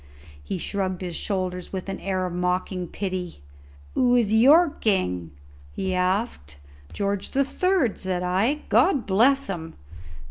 He shrugged his shoulders with an air of mocking pity. "Who is your king?" he asked. "George the Third," said I; "God bless him!"